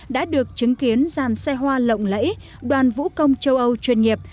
đã được chứng kiến dàn xe hoa lộng lẫy đoàn vũ công châu âu chuyên nghiệp